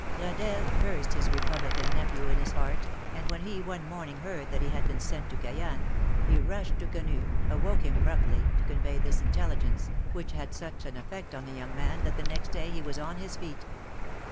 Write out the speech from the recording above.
Gradelle cursed his Republican nephew in his heart, and when he, one morning, heard that he had been sent to Cayenne, he rushed to Quenu, awoke him roughly, to convey this intelligence, which had such an effect on the young man that the next day he was on his feet.